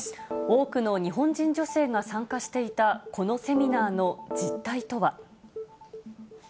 多くの日本人女性が参加していたこのセミナーの実態とは。